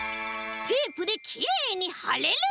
「テープできれいにはれる」！